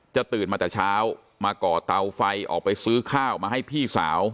ตื่นมาแต่เช้ามาก่อเตาไฟออกไปซื้อข้าวมาให้พี่สาว